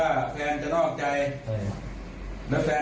แล้วแฟนอยากจะเลือดละเรา